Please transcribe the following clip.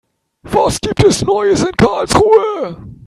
Was gibt es Neues in Karlsruhe?